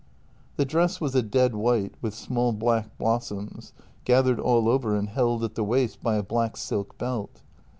The dress was a dead white, with small black blossoms, gathered all over and held at the waist by a black silk belt.